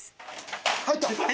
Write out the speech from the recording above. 入った！